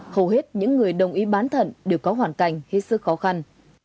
hầu hết những người đồng ý bán thận đều có hoàn cảnh hết sức khó khăn